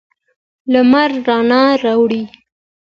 لمر رڼا راوړي.